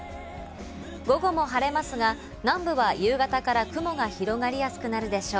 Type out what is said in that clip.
午後も晴れますが南部は夕方から雲が広がりやすくなるでしょう。